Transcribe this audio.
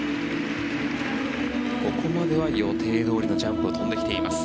ここまでは予定どおりのジャンプを跳んできています。